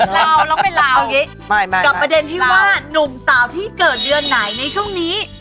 เราเป็นลาวกับประเด็นที่ว่านุ่มสาวที่เกิดเดือนไหนในช่วงนี้